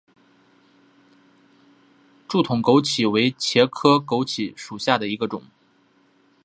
柱筒枸杞为茄科枸杞属下的一个种。